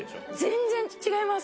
全然違います！